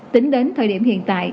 tính đến thời điểm hiện tại